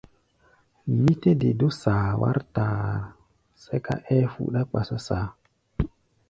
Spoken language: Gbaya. Mí tɛ́ de dó saa wár taar, sɛ́ká ɛ́ɛ́ fuɗá kpasá saa.